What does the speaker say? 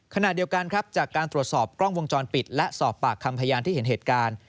ขณะเดียวกันครับจากการตรวจสอบกล้องวงจรปิดและสอบปากคำพยานที่เห็นเหตุการณ์